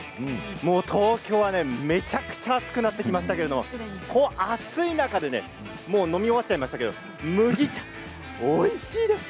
もう東京は、めちゃくちゃ暑くなってきましたけれどこう暑い中で飲み終わっちゃいましたけれど麦茶おいしいです。